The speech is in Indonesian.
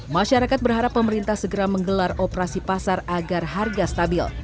masyarakat berharap pemerintah segera menggelar operasi pasar agar harga stabil